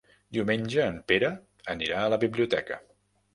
Diumenge en Pere anirà a la biblioteca.